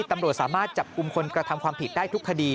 ตำรวจสามารถจับกลุ่มคนกระทำความผิดได้ทุกคดี